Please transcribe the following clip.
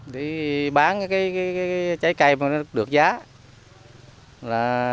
đi bán cái trái cây mà nó được giá